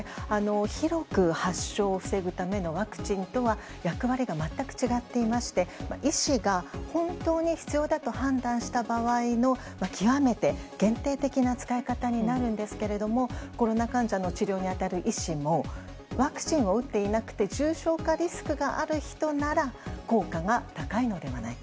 広く発症を防ぐためのワクチンとは役割が全く違っていまして医師が本当に必要だと判断した場合の極めて限定的な使い方になるんですけどコロナ患者の治療に当たる医師もワクチンを打っていなくて重症化リスクがある人なら効果が高いのではないか。